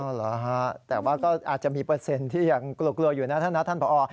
เหรอฮะแต่ว่าก็อาจจะมีเปอร์เซ็นต์ที่ยังกลัวอยู่นะท่านนะท่านผอ